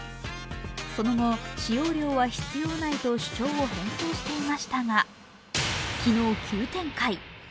その後、使用量は必要ないと主張を変更していましたが、昨日、急展開。